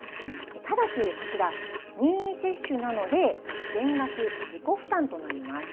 ただし、こちら、任意接種なので、全額自己負担となります。